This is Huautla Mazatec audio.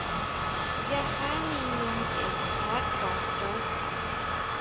Yajá niño ntʼe, nda kuan chon sʼa.